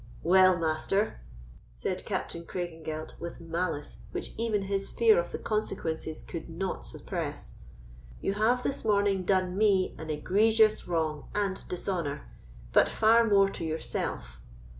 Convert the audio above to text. "Well, Master," said Captain Craigengelt, with malice which even his fear of the consequences could not suppress, "you have this morning done me an egregious wrong and dishonour, but far more to yourself.